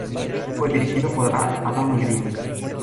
Fue dirigido por Adam Green.